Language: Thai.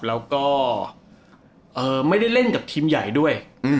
แล้วก็ไม่ได้เล่นกับทีมใหญ่ด้วย